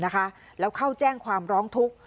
แล้วเข้าแจ้งความร้องทุกข์